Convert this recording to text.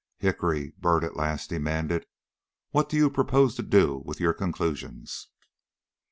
"Hickory," Byrd at last demanded, "what do you propose to do with your conclusions?"